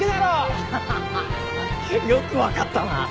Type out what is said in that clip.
アハハ！よく分かったな。